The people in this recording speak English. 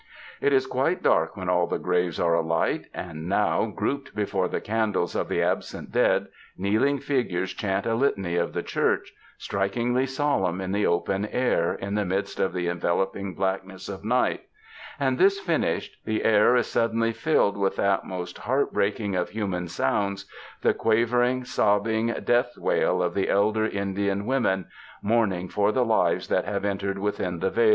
It is quite dark when all the graves are alight, and now grouped before the candles of the absent dead, kneeling figures chant a litany of the Church, strikingly solemn in the open air in the midst of the enveloping blackness of night ; and this finished, the air is suddenly filled with that most heartbreak ing of human sounds, the quavering, sobbing death wail of the elder Indian women, mourning for the lives that have entered within the veil.